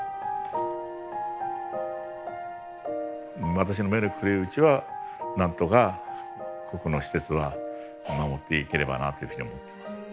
私の目の黒いうちはなんとかここの施設は守っていければなというふうに思ってます。